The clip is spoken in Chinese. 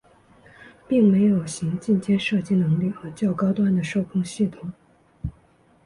并没有行进间射击能力和较高端的射控系统。